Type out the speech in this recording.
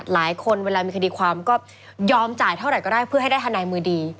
หลายคนเวลามีคดีความก็ยอมจ่ายเท่าไหร่ก็ได้เพื่อให้ได้ทนายมือดี